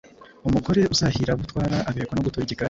Umugore uzahira abo utwara, Aberwa no gutura igikari